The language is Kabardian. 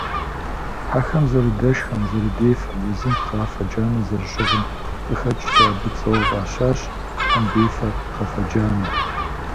Хьэхэм зэрыдэшхэм, зэрыдефэм, езым пхъафэ джанэ зэрыщыгъым къыхэкӀкӀэ абы цӀэуэ фӀащащ «Хьэмдефэ Пхъафэджанэ».